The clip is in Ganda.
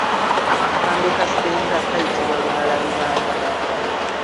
Akambe ka ssenga kayitibwa Lumalabibamba.